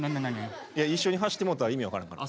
いや一緒に走ってもうたら意味分からんから。